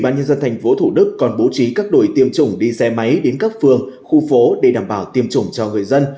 thân thành phố thủ đức còn bổ trí các đồi tiêm chủng đi xe máy đến các phường khu phố để đảm bảo tiêm chủng cho người dân